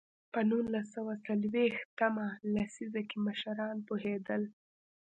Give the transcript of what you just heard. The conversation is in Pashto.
په نولس سوه څلوېښت مه لسیزه کې مشران پوهېدل.